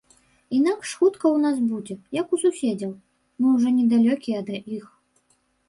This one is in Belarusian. Інакш хутка ў нас будзе, як у суседзяў, мы ўжо не далёкія ад іх.